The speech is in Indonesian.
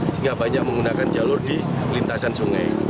sehingga banyak menggunakan jalur di lintasan sungai